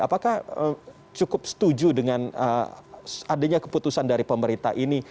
apakah cukup setuju dengan adanya keputusan dari pemerintah ini